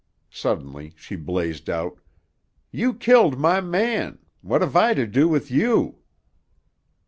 Suddenly, she blazed out: "You killed my man. What hev I to do with you?"